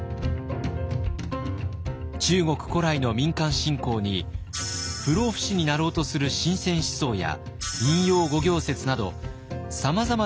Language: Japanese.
中国古来の民間信仰に不老不死になろうとする神仙思想や陰陽五行説などさまざまな要素が融合した宗教です。